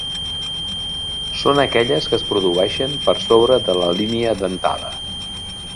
Són aquelles que es produeixen per sobre de la línia dentada.